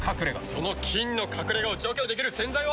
その菌の隠れ家を除去できる洗剤は。